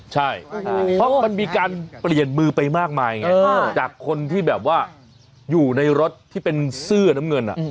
ใช่เพราะมันมีการเปลี่ยนมือไปมากมายไงจากคนที่แบบว่าอยู่ในรถที่เป็นเสื้อน้ำเงิน